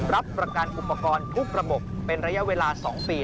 รับประกันอุปกรณ์ทุกระบบเป็นระยะเวลา๒ปี